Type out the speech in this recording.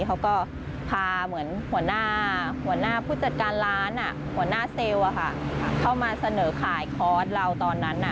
เขาก็พาเหมือนหัวหน้าหัวหน้าผู้จัดการร้านหัวหน้าเซลล์เข้ามาเสนอขายคอร์สเราตอนนั้น